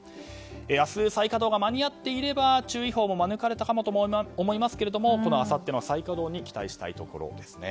明日、再稼働が間に合っていれば注意報も免れたかもと思いますけれどもあさって再稼働に期待したいところですね。